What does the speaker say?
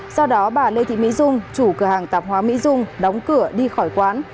sau đó bà lê thị mỹ dung chủ cửa hàng tạp hóa mỹ dung đóng cửa đi khỏi quán